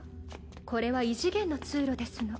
これは異次元の通路ですの。